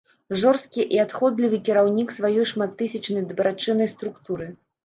Жорсткі і адходлівы кіраўнік сваёй шматтысячнай дабрачыннай структуры.